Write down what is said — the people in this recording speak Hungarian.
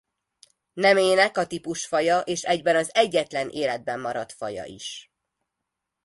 Nemének a típusfaja és egyben az egyetlen életben maradt faja is.